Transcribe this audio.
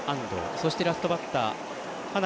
そしてラストバッター羽成